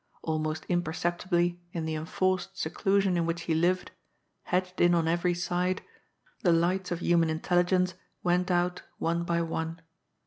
Almost imperceptibly in the enforced seclu sion in which he lived, hedged in on every side, the lights of human intelligence went out one by one.